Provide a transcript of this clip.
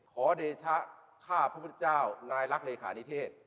เดชะข้าพระพุทธเจ้านายรักเลขานิเทศ